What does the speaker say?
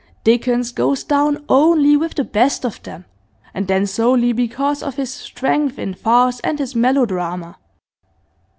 Dickens goes down only with the best of them, and then solely because of his strength in farce and his melodrama.